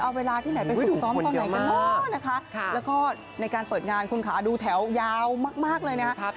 เอาเวลาที่ไหนไปฝึกซ้อมตอนไหนกันบ้างนะคะแล้วก็ในการเปิดงานคุณขาดูแถวยาวมากเลยนะครับ